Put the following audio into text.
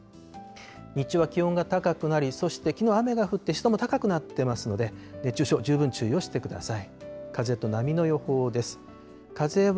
日中は気温が高くなり、そしてきょう雨が降って、湿度も高くなっていますので、熱中症、十分注意をしてください。